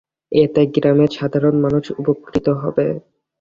এতে গ্রামের সাধারণ মানুষ উপকৃত হবে।